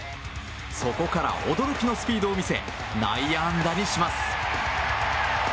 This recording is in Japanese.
そこから驚きのスピードを見せ内野安打打にします。